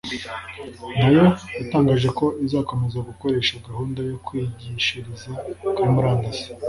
nayo yatangaje ko izakomeza gukoresha gahunda yo kwigishiriza kuri murandasi